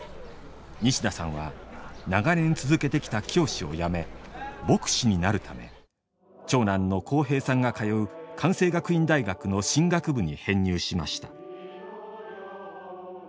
西田さんは長年続けてきた教師を辞め牧師になるため長男の幸平さんが通う関西学院大学の神学部に編入しました。